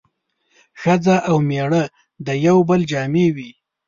ښځه او مېړه د يو بل جامې وي